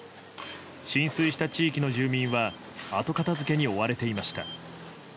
浸水した地域の住民は後片付けに追われていました。